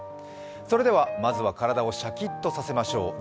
それでは、まずは体をシャキッとさせましょう。